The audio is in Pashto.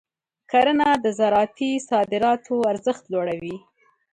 کرنه د زراعتي صادراتو ارزښت لوړوي.